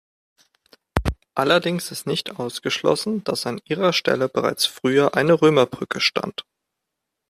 Allerdings ist nicht ausgeschlossen, dass an ihrer Stelle bereits früher eine Römerbrücke stand.